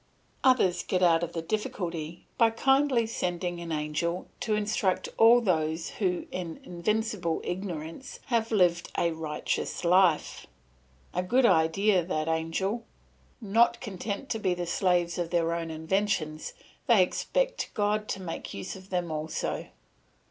Others get out of the difficulty by kindly sending an angel to instruct all those who in invincible ignorance have lived a righteous life. A good idea, that angel! Not content to be the slaves of their own inventions they expect God to make use of them also!